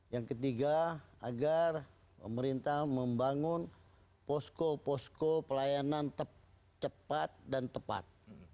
yang ketiga agar pemerintah membangun posko posko pelayanan cepat dan tepat